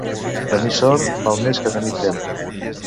Tenir Sort val més que tenir Tremp.